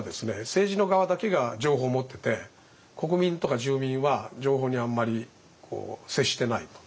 政治の側だけが情報を持ってて国民とか住民は情報にあんまり接してないと。